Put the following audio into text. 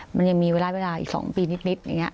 มันยังมีเวลาอีก๒ปีนิดอย่างนี้